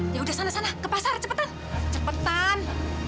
ya udah sana sana ke pasar cepetan cepetan